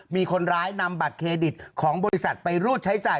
มีคนร้ายนำบัตรเครดิตของบริษัทไปรูดใช้จ่าย